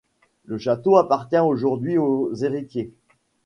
Le château appartient aujourd'hui aux héritiers.